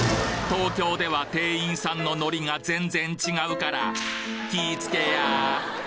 東京では、店員さんのノリが全然違うから、気ぃつけや！